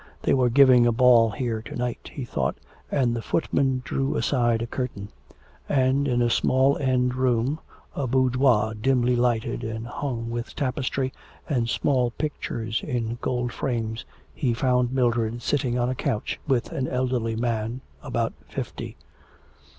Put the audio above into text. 'They are giving a ball here to night,' he thought, and the footmen drew aside a curtain; and in a small end room, a boudoir dimly lighted and hung with tapestry and small pictures in gold frames, he found Mildred sitting on a couch with an elderly man, about fifty.